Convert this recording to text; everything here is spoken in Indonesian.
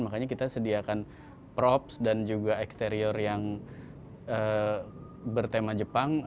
makanya kita sediakan props dan juga eksterior yang bertema jepang